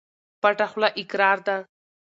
پټه خوله اقرار ده.